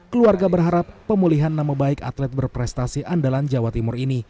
keluarga berharap pemulihan nama baik atlet berprestasi andalan jawa timur ini